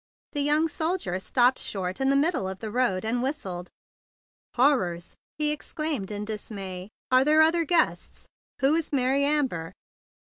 The young soldier stopped short in the middle of the road, and whistled. "Horrors!" he exclaimed in dismay "Are there other guests? Who is Mary Amber?"